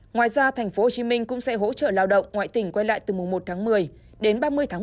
ngoài ra thành phố hồ chí minh cũng sẽ hỗ trợ lao động ngoại tỉnh quay lại từ mùng một một mươi đến ba mươi một mươi một